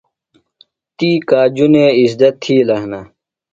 تی کاجُنے اِزدہ تِھیلہ ہِنہ۔